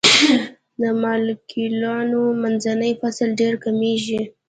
د مالیکولونو منځنۍ فاصله ډیره کمیږي.